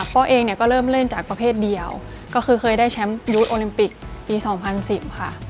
เองเนี่ยก็เริ่มเล่นจากประเภทเดียวก็คือเคยได้แชมป์ยูทโอลิมปิกปี๒๐๑๐ค่ะ